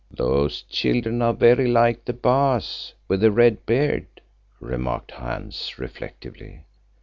"Those children are very like the Baas with the red beard," remarked Hans reflectively.